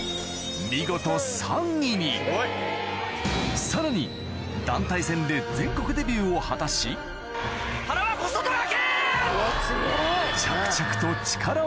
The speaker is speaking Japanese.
見事さらに団体戦で全国デビューを果たし塙小外掛！